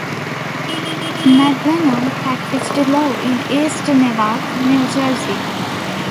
McGlennon practiced law in East Newark, New Jersey.